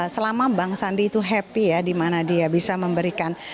selama bang sandi itu happy ya di mana dia bisa memberikan